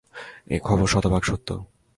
এই খবর শতভাগ সত্য।